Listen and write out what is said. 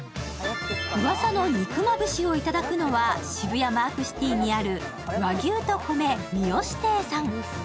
うわさの肉まぶしをいただくのは渋谷マークシティにある和牛と米三芳亭さん。